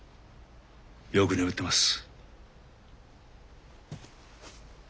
よく眠ってます。